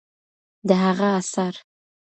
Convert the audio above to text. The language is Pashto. د هغه اثار